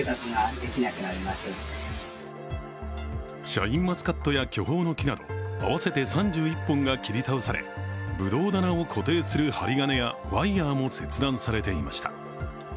シャインマスカットや巨峰の木など合わせて３１本が切り倒され、ぶどう棚を固定する針金やワイヤーも切断されていました。